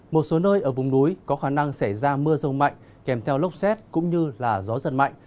một số nơi ở vùng núi có khả năng xảy ra mưa rông mạnh kèm theo lốc xét cũng như gió giật mạnh